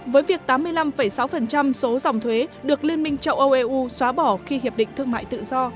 với việc tám mươi năm sáu số dòng thuế được liên minh châu âu eu xóa bỏ khi hiệp định thương mại tự do